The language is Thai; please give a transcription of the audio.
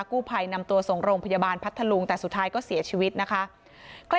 กู้ภัยนำตัวส่งโรงพยาบาลพัทธลุงแต่สุดท้ายก็เสียชีวิตนะคะ